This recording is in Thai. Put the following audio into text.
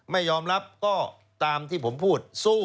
ไม่ยอมรับก็ตามที่ผมพูดสู้